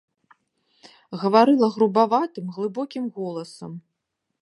Гаварыла грубаватым, глыбокім голасам.